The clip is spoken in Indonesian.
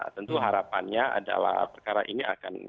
tentu harapannya adalah perkara ini akan